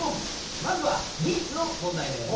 まずは「ギーツ」の問題です。